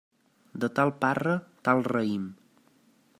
De tal parra, tal raïm.